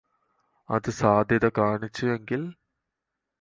അതു സാധ്യത കാണിച്ചു എങ്കില്